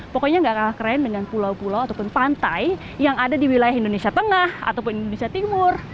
pokoknya gak kalah keren dengan pulau pulau ataupun pantai yang ada di wilayah indonesia tengah ataupun indonesia timur